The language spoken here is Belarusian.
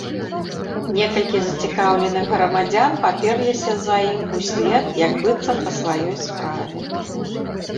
Некалькі зацікаўленых грамадзян паперліся за ім услед, як быццам па сваёй справе.